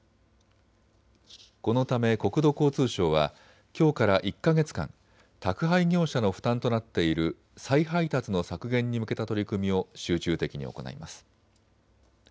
このため国土交通省はきょうから１か月間、宅配業者の負担となっている再配達の削減に向けた取り組みを集中的に行います。